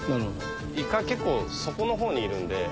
イカ結構底の方にいるんで。